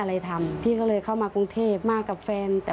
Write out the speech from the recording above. คุณแม่คนนี้คุณแม่คนนี้